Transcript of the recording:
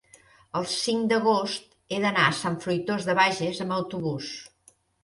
el cinc d'agost he d'anar a Sant Fruitós de Bages amb autobús.